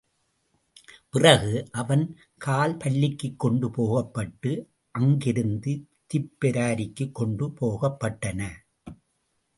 பிறகு, அவன் கால்பல்லிக்குக் கொண்டு போகப்பட்டு, அங்கிருந்து திப்பெரரிக்குக் கொண்டு போகப்பட்டான்.